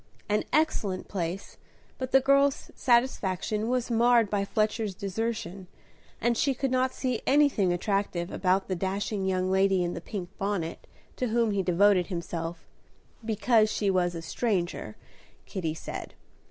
An excellent place, but the girl's satisfaction was marred by Fletcher's desertion, and she could not see anything attractive about the dashing young lady in the pink bonnet to whom he devoted himself, "because she was a stranger," Kitty said.